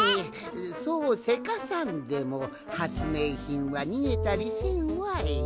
そうせかさんでもはつめいひんはにげたりせんわい。